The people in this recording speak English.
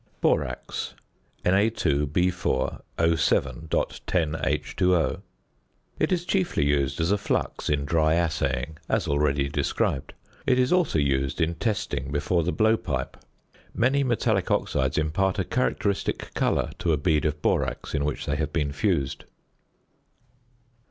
~Borax~, Na_B_O_.10H_O. It is chiefly used as a flux in dry assaying, as already described. It is also used in testing before the blowpipe; many metallic oxides impart a characteristic colour to a bead of borax in which they have been fused.